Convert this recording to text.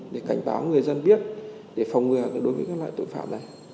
để cảnh báo người dân biết để phòng ngừa đối với các loại tội phạm này